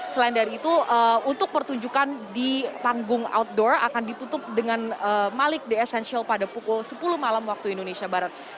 selain dari itu untuk pertunjukan di panggung outdoor akan ditutup dengan malik the essential pada pukul sepuluh malam waktu indonesia barat